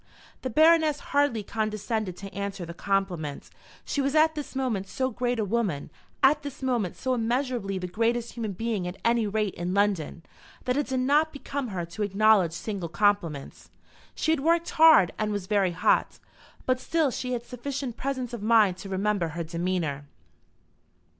The Baroness hardly condescended to answer the compliment. She was at this moment so great a woman, at this moment so immeasurably the greatest human being at any rate in London, that it did not become her to acknowledge single compliments. She had worked hard and was very hot, but still she had sufficient presence of mind to remember her demeanour.